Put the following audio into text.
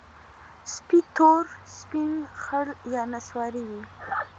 سپي تور، سپین، خړ یا نسواري وي.